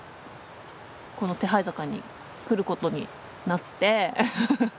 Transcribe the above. この手這坂に来ることになって。